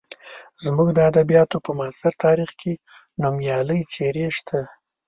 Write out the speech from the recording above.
زموږ د ادبیاتو په معاصر تاریخ کې نومیالۍ څېرې شته.